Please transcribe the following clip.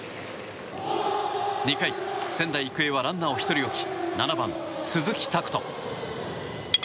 ２回、仙台育英はランナーを１人置き７番、鈴木拓斗。